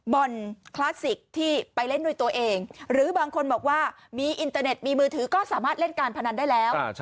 บอลคลาสสิกที่ไปเล่นด้วยตัวเองหรือบางคนบอกว่ามีอินเตอร์เน็ตมีมือถือก็สามารถเล่นการพนันได้แล้ว